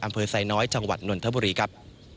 อำเภอทรายน้อยจังหวัดหนวนเทพบุรีครับ